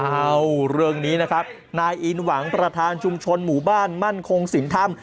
เอ้าเรื่องนี้นะครับนายอินหวังประธานชุมชนหมู่บ้านมั่นคงสินธรรม